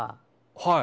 はい。